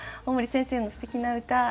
大森先生のすてきな歌